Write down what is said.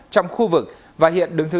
trong khu vực và hiện đứng thứ bốn